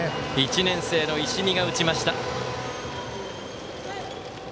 １年生の石見が打ちました。